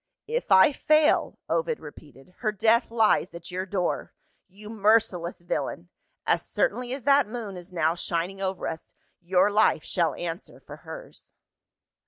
"If I fail," Ovid repeated, "her death lies at your door. You merciless villain as certainly as that moon is now shining over us, your life shall answer for hers."